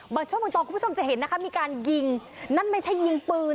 ช่วงบางตอนคุณผู้ชมจะเห็นนะคะมีการยิงนั่นไม่ใช่ยิงปืน